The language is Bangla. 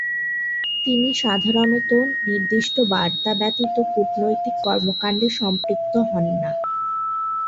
তিনি সাধারণতঃ নির্দিষ্ট বার্তা ব্যতীত কূটনৈতিক কর্মকাণ্ডে সম্পৃক্ত হন না।